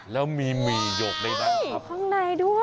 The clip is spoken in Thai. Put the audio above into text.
แล้วมีหยกในนั้นครับ